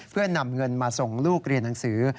เพื่อนำเงินมาส่งลูกเรียนหนังสือ